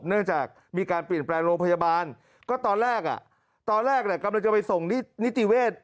เนื่องจากมีการเปลี่ยนแปลงโรงพยาบาลก็ตอนแรกอ่ะตอนแรกตอนแรกกำลังจะไปส่งนิติเวศ